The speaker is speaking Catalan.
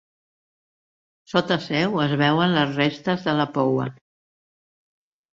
Sota seu es veuen les restes de la poua.